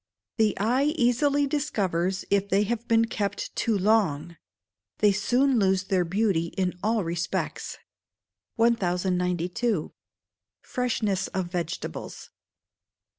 The eye easily discovers if they have been kept too long; they soon lose their beauty in all respects. 1092. Freshness of Vegetables.